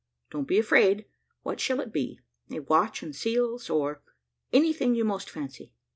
Don't be afraid; what shall it be a watch and seals, or anything you most fancy?"